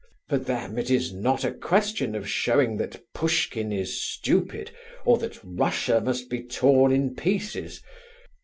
For them, it is not a question of showing that Pushkin is stupid, or that Russia must be torn in pieces.